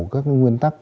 các cái nguyên tắc